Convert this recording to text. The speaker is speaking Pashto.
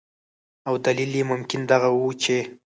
او دلیل یې ممکن دغه ؤ چې